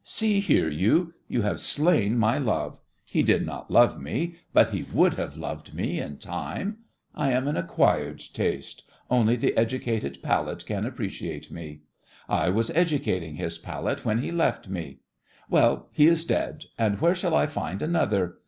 See here, you! You have slain my love. He did not love me, but he would have loved me in time. I am an acquired taste—only the educated palate can appreciate me. I was educating his palate when he left me. Well, he is dead, and where shall I find another?